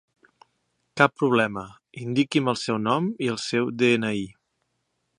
Cap problema, indiqui'm el seu nom i el seu de-ena-i.